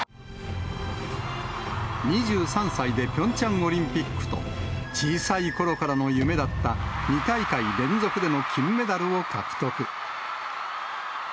２３歳でピョンチャンオリンピックと、小さいころからの夢だった２大会連続での金メダルを獲得。